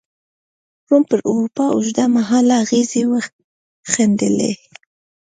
روم پر اروپا اوږد مهاله اغېزې وښندلې.